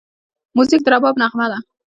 موزیک د رباب نغمه ده.